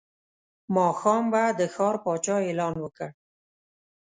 ماښام به د ښار پاچا اعلان وکړ.